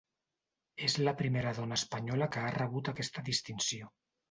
És la primera dona espanyola que ha rebut aquesta distinció.